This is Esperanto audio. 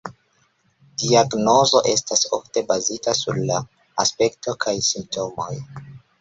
Diagnozo estas ofte bazita sur la aspekto kaj simptomoj.